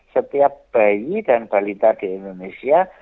setiap bayi dan balita di indonesia